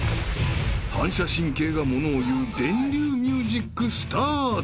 ［反射神経がものをいう電流ミュージックスタート］